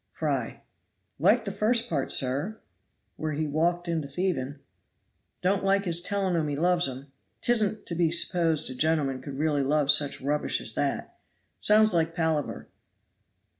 Fry. Liked the first part, sir, where he walked into thieving. Don't like his telling 'em he loves 'em. 'Tisn't to be supposed a gentleman could really love such rubbish as that. Sounds like palaver.